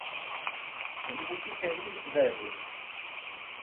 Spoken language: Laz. Si mutite indzğeri?